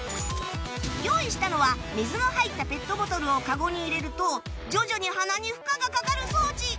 用意したのは水の入ったペットボトルをカゴに入れると徐々に鼻に負荷がかかる装置